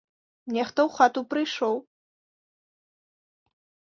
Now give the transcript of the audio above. Нехта ў хату прыйшоў.